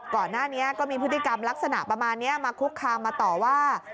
ก่อนหน้านี้ก็มีพฤติกรรมลักษณะประมาณนี้มาคุกคามมาต่อว่า